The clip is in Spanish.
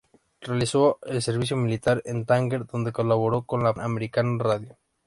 Realizó el servicio militar en Tánger, donde colaboró con la Pan American Radio.